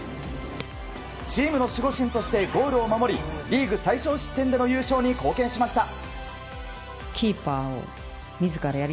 チームの守護神としてゴールを守りリーグ最少失点での優勝に貢献しました。